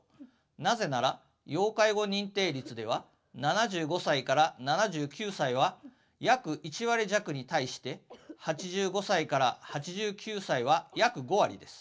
なぜなら要介護認定率では７５歳７９歳は約１割弱に対して８５歳８９歳は約５割です。